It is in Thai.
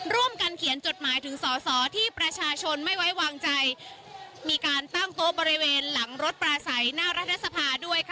ร่วมกันเขียนจดหมายถึงสอสอที่ประชาชนไม่ไว้วางใจมีการตั้งโต๊ะบริเวณหลังรถปลาใสหน้ารัฐสภาด้วยค่ะ